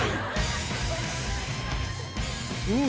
うん。